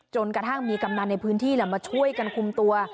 กระทั่งมีกำนันในพื้นที่มาช่วยกันคุมตัว